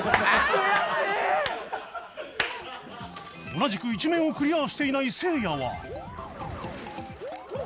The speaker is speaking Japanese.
同じく１面をクリアしていないせいやは